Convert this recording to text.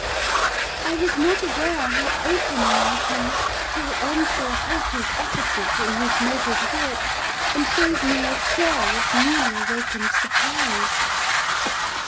I was not aware how openly I grieved, till Earnshaw halted opposite, in his measured walk, and gave me a stare of newly awakened surprise.